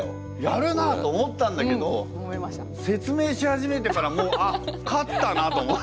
やるなと思ったんだけど説明し始めてからもう「あっ勝ったな」と思ったよね。